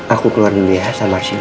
aku keluar dulu ya sama archi